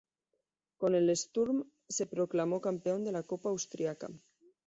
Con el Sturm se proclamó campeón de la Copa Austriaca.